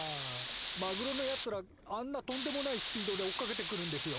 マグロのやつらあんなとんでもないスピードで追っかけてくるんですよ？